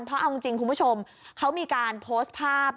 เพราะเอาจริงคุณผู้ชมเขามีการโพสต์ภาพ